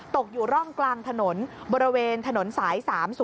ตกอยู่ร่องกลางถนนบริเวณถนนสาย๓๐